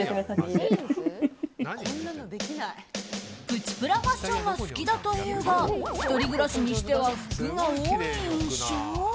プチプラファッションが好きだというが１人暮らしにしては服が多い印象。